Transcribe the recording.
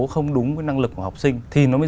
không đúng với năng lực của học sinh thì nó mới